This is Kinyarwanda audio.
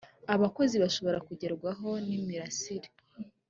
abakozi bashobora kugerwaho n imirasire